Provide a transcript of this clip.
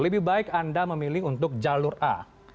lebih baik anda memilih untuk jalur a